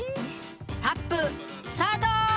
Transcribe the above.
タップスタート！」。